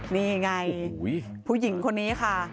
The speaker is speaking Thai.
นี่ไงผู้หญิงคนนี้ค่ะ